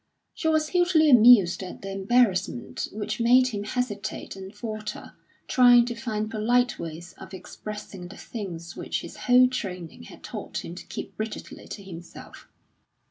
She was hugely amused at the embarrassment which made him hesitate and falter, trying to find polite ways of expressing the things which his whole training had taught him to keep rigidly to himself.